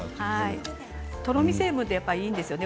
とろみ成分っていいんですよね。